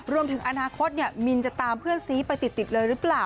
รวมถึงอนาคตมินจะตามเพื่อนซีไปติดเลยหรือเปล่า